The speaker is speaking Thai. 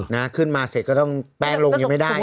นางขึ้นมาเสร็จก็ต้องแปลงโรงยังมัยได้